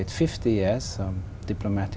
quốc gia ở đây